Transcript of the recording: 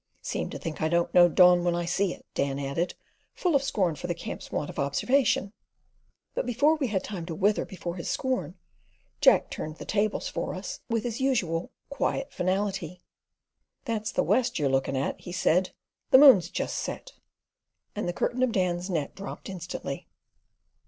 "Seem to think I don't know dawn when I see it," Dan added, full of scorn for the camp's want of observation; but before we had time to wither before his scorn, Jack turned the tables for us with his usual quiet finality. "That's the west you're looking at," he said. "The moon's just set"; and the curtain of Dan's net dropped instantly.